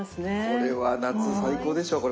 これは夏最高でしょう